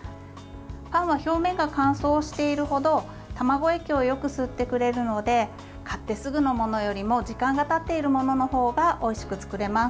パンは表面が乾燥しているほど卵液をよく吸ってくれるので買ってすぐのものよりも時間がたっているもののほうがおいしく作れます。